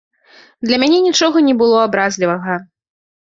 Для мяне нічога не было абразлівага.